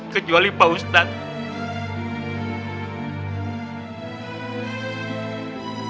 kecuali pak ustadz